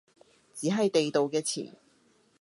只係地道嘅詞